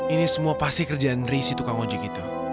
ini semua pasti kerjaan ri si tukang ojek itu